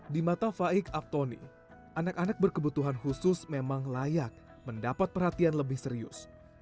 di mata faik abtoni anak anak berkebutuhan khusus memang layak mendapat perhatian lebih serius